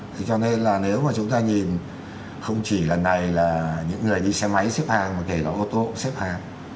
thế cho nên là nếu mà chúng ta nhìn không chỉ lần này là những người đi xe máy xếp hàng mà kể cả ô tô xếp hàng